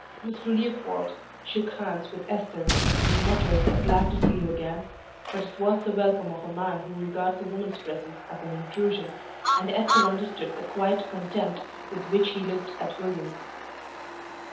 Mr. Leopold shook hands with Esther, and he muttered a "Glad to see you again," But it was the welcome of a man who regards a woman's presence as an intrusion, and Esther understood the quiet contempt with which he looked at William.